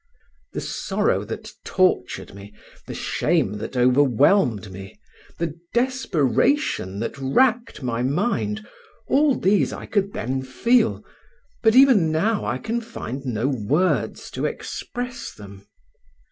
The sorrow that tortured me, the shame that overwhelmed me, the desperation that wracked my mind, all these I could then feel, but even now I can find no words to express them.